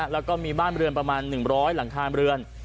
แล้วก็มีบ้านเรือนประมาณหนึ่งร้อยหลังข้ามเรือน